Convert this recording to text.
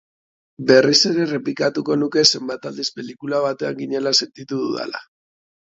Berriz ere errepikatuko nuke zenbat aldiz pelikula batean ginela sentitu dudala.